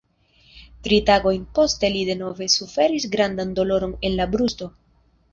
Tri tagojn poste li denove suferis grandan doloron en la brusto.